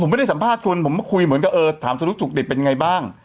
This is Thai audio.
ผมไม่ได้สัมภาษณ์คุณผมมาคุยเหมือนกับเออถามสรุปถูกดิบเป็นไงบ้าง